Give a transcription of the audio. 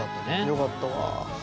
よかったわ。